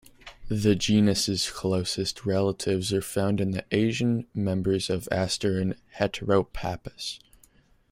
The genus's closest relatives are found in the Asian members of "Aster" and "Heteropappus".